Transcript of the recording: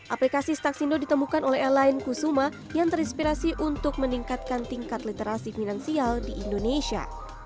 aplikasi staksindo ditemukan oleh airline kusuma yang terinspirasi untuk meningkatkan tingkat literasi finansial di indonesia